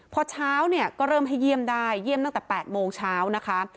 พอเช้าเนี่ยก็เริ่มให้เยี่ยมได้เยี่ยมตั้งแต่๘โมงเช้านะคะ